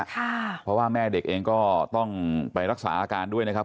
เพราะว่าแม่เด็กเองก็ต้องไปรักษาอาการด้วยนะครับ